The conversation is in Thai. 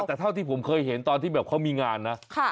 แต่เท่าที่ผมเคยเห็นตอนที่แบบเขามีงานนะ